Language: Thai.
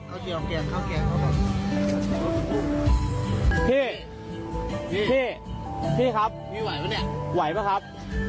เอาเกียรติเข้าเกียรติเข้าพี่พี่พี่ครับพี่ไหวป่ะเนี้ยไหวป่ะครับ